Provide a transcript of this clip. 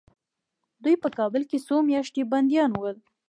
دوی په کابل کې څو میاشتې بندیان ول.